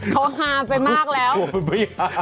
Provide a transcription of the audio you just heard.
เขาฮาไปมากแล้วกลัวมันไม่ฮา